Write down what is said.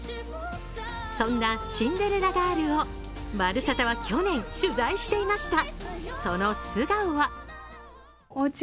そんなシンデレラガールを「まるサタ」は去年取材していました。